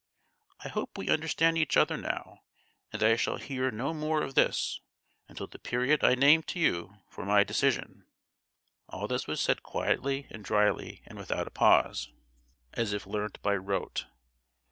I hope we understand each other now, and that I shall hear no more of this, until the period I named to you for my decision." All this was said quietly and drily, and without a pause, as if learnt by rote.